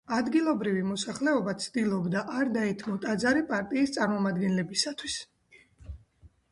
ადგილობრივი მოსახლეობა ცდილობდა არ დაეთმო ტაძარი პარტიის წარმომადგენლებისათვის.